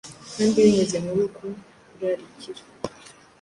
Kandi binyuze muri uku kurarikira,